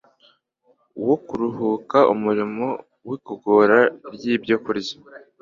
wo kuruhuka umurimo wigogora ryibyokurya